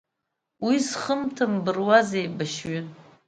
Уи зхымҭа мбыруаз еибашьҩын.